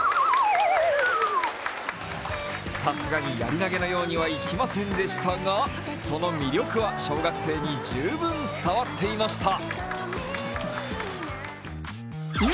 さすがにやり投げのようにはいきませんでしたがその魅力は小学生に十分伝わっていました。